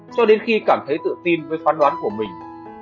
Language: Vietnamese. cho đến khi cảm thấy tự tin với phán đoán của mình